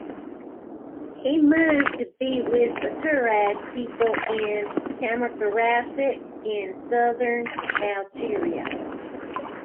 He moved to be with the Tuareg people, in Tamanghasset in southern Algeria.